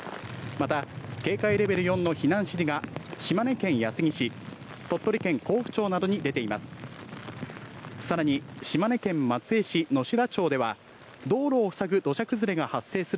また、警戒レベル４の避難指示が島根県安来市、鳥取県江府町などに出ています。